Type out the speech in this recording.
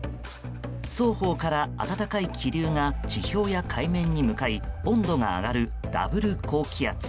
双方から、暖かい気流が地表や海面に向かい温度が上がるダブル高気圧。